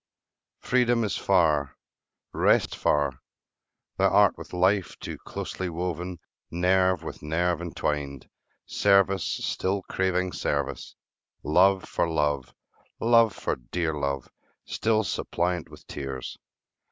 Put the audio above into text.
Freedom is far, rest far. Thou art with life Too closely woven, nerve with nerve intwined; Service still craving service, love for love, Love for dear love, still suppliant with tears.